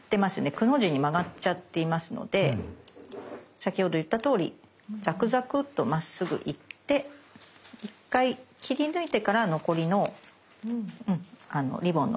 「く」の字に曲がっちゃっていますので先ほど言ったとおりザクザクとまっすぐ行って１回切り抜いてから残りのリボンの先を切るといいです。